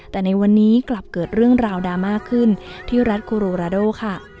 แต่ในวันนี้กลับเกิดเรื่องราวดราม่าขึ้นที่รัฐคูโรราโดค่ะ